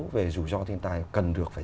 về rủi ro thiên tai cần được phải